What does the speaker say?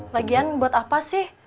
lagian buat apa sih